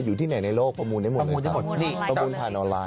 อยู่ที่ไหนในโลกประมูลได้หมดเลยครับประมูลได้หมดเลย